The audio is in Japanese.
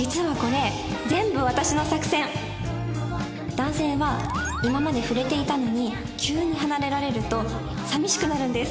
男性は今まで触れていたのに急に離れられると寂しくなるんです！